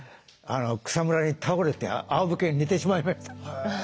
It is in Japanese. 草むらに倒れてあおむけに寝てしまいました。